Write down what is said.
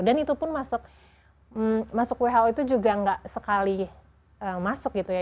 dan itu pun masuk who itu juga gak sekali masuk gitu ya